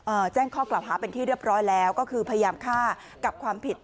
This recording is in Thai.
แจ้งข้อกล่าวหาเป็นที่เรียบร้อยแล้วก็คือพยายามฆ่ากับความผิด